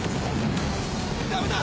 ・ダメだ